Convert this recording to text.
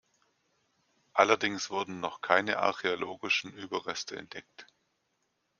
Allerdings wurden noch keine archäologischen Überreste entdeckt.